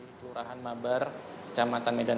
di kelurahan mabar kecamatan medan